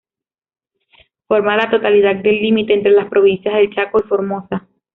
Forma la totalidad del límite entre las Provincias del Chaco y Formosa.